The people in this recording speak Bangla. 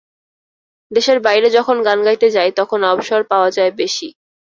দেশের বাইরে যখন গান গাইতে যাই, তখন অবসর পাওয়া যায় বেশি।